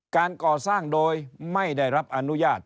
การก่อสร้างโดยไม่ได้รับอนุญาต